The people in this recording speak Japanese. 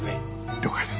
了解です。